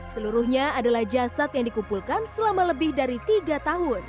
seluruhnya adalah jasad yang dikumpulkan selama lebih dari tiga tahun